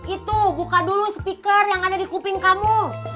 itu buka dulu speaker yang ada di kuping kamu